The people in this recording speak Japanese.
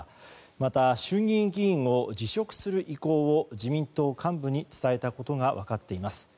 また、衆議院議員を辞職する意向を自民党幹部に伝えたことが分かっています。